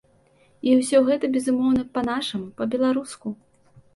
І ўсё гэта, безумоўна, па-нашаму, па-беларуску!